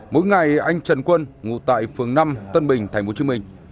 mỗi ngày anh trần quân ngủ tại phường năm tân bình thành phố hồ chí minh